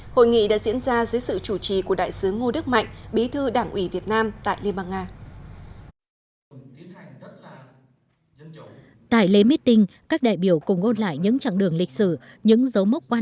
hội nghị đã diễn ra dưới sự chủ trì của đại sứ ngô đức mạnh bí thư đảng ủy việt nam tại liên bang nga